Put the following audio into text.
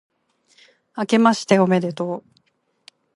あけましておめでとう、